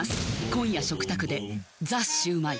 今夜食卓で「ザ★シュウマイ」